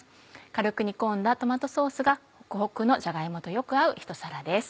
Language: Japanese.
軽く煮込んだトマトソースがホクホクのじゃが芋とよく合うひと皿です。